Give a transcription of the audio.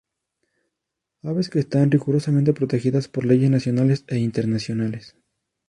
Aves que están rigurosamente protegidas por leyes nacionales e internacionales.